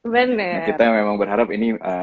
bandeng kita memang berharap ini